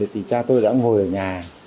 thì cha tôi đã ngồi ở nhà